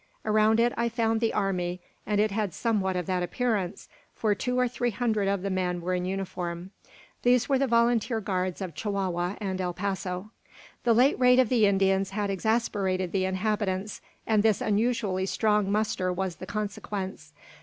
Around it I found "the army"; and it had somewhat of that appearance, for two or three hundred of the men were in uniform. These were the volunteer guards of Chihuahua and El Paso. The late raid of the Indians had exasperated the inhabitants, and this unusually strong muster was the consequence.